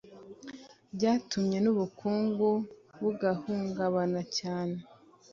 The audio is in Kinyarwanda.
Byatumye n'ubukungu bugahungabana, cyane